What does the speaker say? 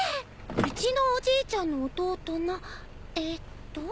うちのおじいちゃんの弟のえっと？